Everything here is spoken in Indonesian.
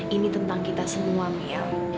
ini tentang kita semua ya